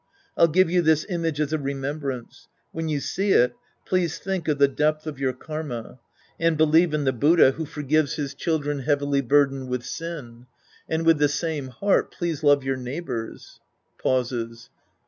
I'll give you this image as a remembrance. When you see it, please think of the depth of your karma. And believe in the Buddha who forgives his children Sc. II The Priest and His Disciples 57 heavily burdened with sin. And, with the same heart, please love your neighbors. {Pauses.)